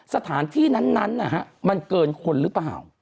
สถานที่นั้นมันเกินคนหรือเปล่า